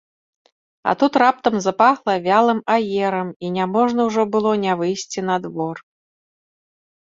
А тут раптам запахла вялым аерам, і няможна ўжо было не выйсці на двор.